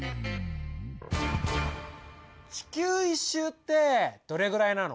地球１周ってどれぐらいなの？